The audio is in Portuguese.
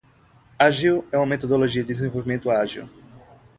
Agile é uma metodologia de desenvolvimento ágil.